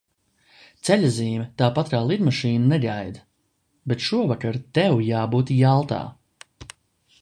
Ceļazīme, tāpat kā lidmašīna, negaida. Bet šovakar tev jābūt Jaltā.